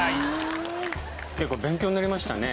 結構勉強になりましたね。